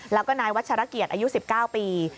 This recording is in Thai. แล้วก็นายวัชรเกียรติอายุ๑๙ปี